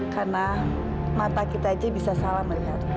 karena mata kita saja bisa salah melihat